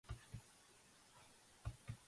ჯვრის ქვედა მკლავი შიგნით ორნამენტითაა დაფარული.